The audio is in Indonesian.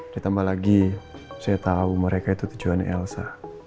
ditambah lagi saya tahu mereka itu tujuan elsa